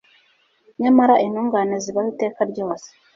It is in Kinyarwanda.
nyamara intungane zibaho iteka ryose